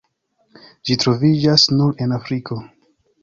Ĝi troviĝas nur en Afriko.